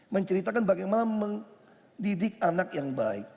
menceritakan bagaimana mendidik anak yang baik